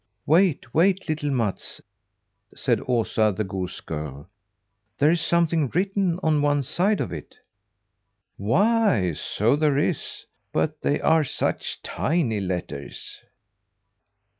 "Wait, wait, little Mats!" said Osa, the goose girl. "There is something written on one side of it." "Why, so there is! but they are such tiny letters."